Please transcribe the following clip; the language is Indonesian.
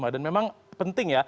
dan memang penting ya